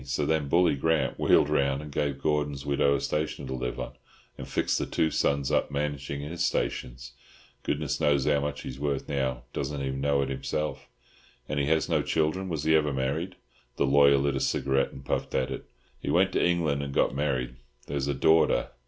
So then Bully Grant wheeled round and gave Gordon's widow a station to live on, and fixed the two sons up managing his stations. Goodness knows how much he's worth now. Doesn't even know it himself." "And has he no children? Was he ever married?" The lawyer lit a cigarette and puffed at it. "He went to England and got married; there's a daughter.